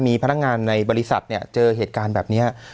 มีพนักงานในบริษัทเนี่ยเจอเหตุการณ์แบบนี้